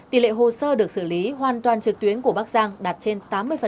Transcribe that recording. tỷ lệ hồ sơ được xử lý hoàn toàn trực tuyến của bắc giang đạt trên tám mươi